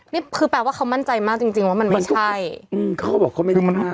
นี่คือแปลว่าเขามั่นใจมากจริงจริงว่ามันไม่ใช่อืมเขาก็บอกเขาไม่รู้มั่น